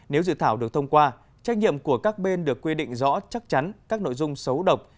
nếu dự thảo được thông qua trách nhiệm của các bên được quy định rõ chắc chắn các nội dung xấu độc